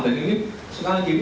dan ini sekarang lagi ini